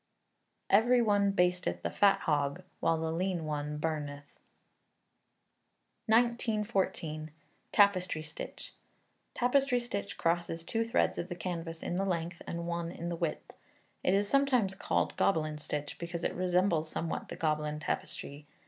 [EVERY ONE BASTETH THE FAT HOG, WHILE THE LEAN ONE BURNETH.] 1914. Tapestry Stitch. Tapestry stitch crosses two threads of the canvas in the length, and one in the width. It is sometimes called Gobelin stitch, because it resembles somewhat the Gobelin tapestry.